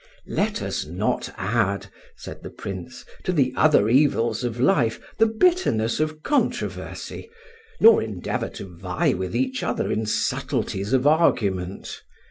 "Let us not add," said the Prince, "to the other evils of life the bitterness of controversy, nor endeavour to vie with each other in subtilties of argument.